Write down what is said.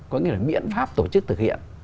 có nghĩa là biện pháp tổ chức thực hiện